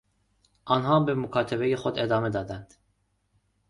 آنها به مکاتبهی خود ادامه دادند.